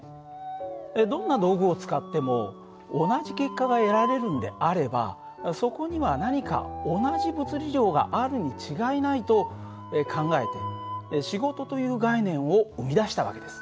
どんな道具を使っても同じ結果が得られるんであればそこには何か同じ物理量があるに違いないと考えて仕事という概念を生み出した訳です。